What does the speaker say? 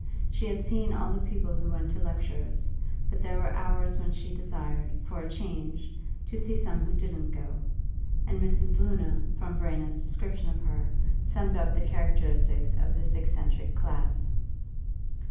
She had seen all the people who went to lectures, but there were hours when she desired, for a change, to see some who didn't go; and Mrs. Luna, from Verena's description of her, summed up the characteristics of this eccentric class.